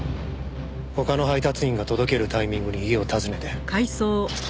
他の配達員が届けるタイミングに家を訪ねて。